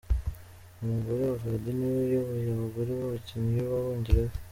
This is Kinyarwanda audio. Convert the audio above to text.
Umugore wa Vardy niwe uyoboye abagore b’abakinnyi b’Abongereza.